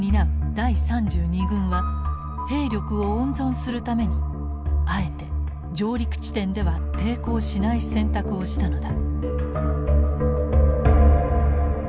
第３２軍は兵力を温存するためにあえて上陸地点では抵抗しない選択をしたのだ。